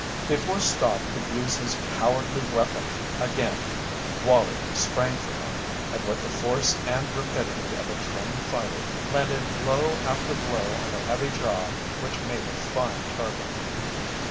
Before Stott could use his cowardly weapon again Wallie sprang for him, and with the force and rapidity of a trained fighter landed blow after blow on the heavy jaw which made a fine target.